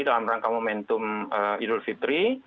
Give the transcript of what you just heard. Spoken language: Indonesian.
dalam rangka momentum idul fitri